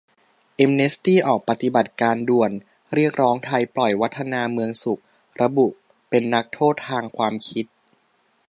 แอมเนสตี้ออกปฏิบัติการด่วนเรียกร้องไทยปล่อย 'วัฒนา เมืองสุข' ระบุเป็นนักโทษทางความคิด